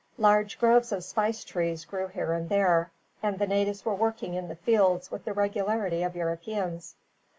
Large groves of spice trees grew here and there, and the natives were working in the fields with the regularity of Europeans.